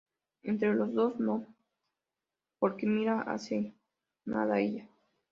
entre los dos, ¿ no? por que mira, hace nada, ella...